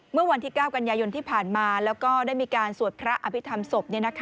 เมื่อวันที่๙กันยายนที่ผ่านมาแล้วก็ได้มีการสวดพระอภิษฐรรมศพ